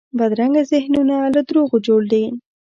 بدرنګه ذهنونه له دروغو جوړ دي